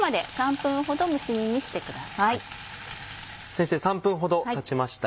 先生３分ほどたちました